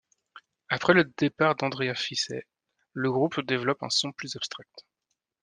Après le départ d'Andrea Fiset, le groupe développe un son plus abstract.